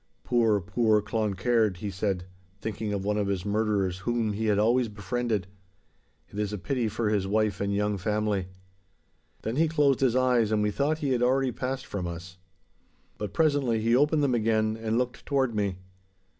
Poor, poor Cloncaird!' he said, thinking of one of his murderers whom he had always befriended, 'it is a pity for his wife and young family!' Then he closed his eyes and we thought he had already passed from us. But presently he opened them again and looked toward me.